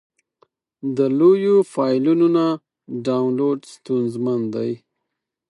د لویو فایلونو نه ډاونلوډ ستونزمن دی.